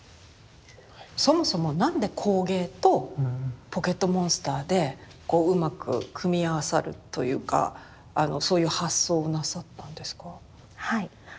そもそも何で工芸とポケットモンスターでこううまく組み合わさるというかそういう発想をなさったんですか？